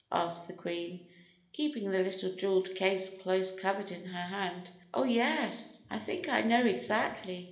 asked the Queen, keeping the little jewelled case close covered in her hand. "Oh, yes; I think I know exactly.